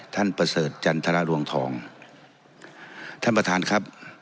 ประเสริฐจันทรรวงทองท่านประธานครับ